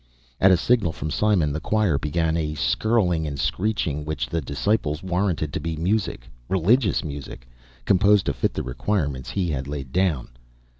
At a signal from Simon, the choir began a skirling and screeching which the disciples warranted to be music religious music, composed to fit the requirements He had laid down.